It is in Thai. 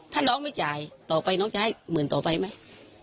ถ้าน้องไม่จ่ายต่อไปน้องจะให้หมื่นต่อไปไหม